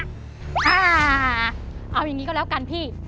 อ่าเอาอย่างนี้ก็แล้วกันพี่